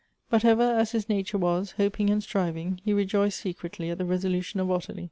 But ever, as his nature was, hoping and striv ing, he rejoiced secretly at the resolution of Ottilie.